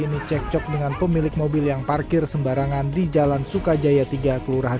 ini cekcok dengan pemilik mobil yang parkir sembarangan di jalan sukajaya tiga kelurahan